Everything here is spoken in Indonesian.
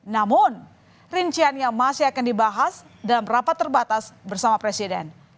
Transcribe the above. namun rinciannya masih akan dibahas dalam rapat terbatas bersama presiden